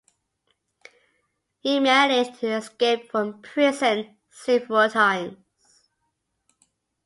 He managed to escape from prison several times.